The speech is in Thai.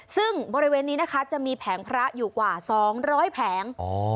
ซึ่งบริเวณนี้นะคะจะมีแผงพระอยู่กว่า๒๐๐แผง